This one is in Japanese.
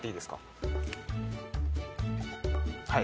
はい。